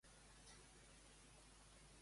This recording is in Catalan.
Podem s'entenia amb Esquerra Unida de Catalunya?